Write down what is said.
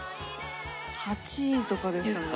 ８位とかですかね。